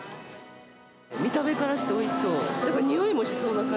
見た目からしておいしそう。